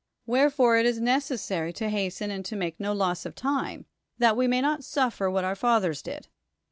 Wherefore it is necessary to hast(^]i and to ma]<c no loss of time, that we may not suffe r what <Mir fathers did.